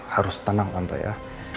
harus tenang tante ya